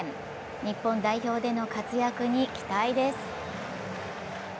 日本代表での活躍に期待です。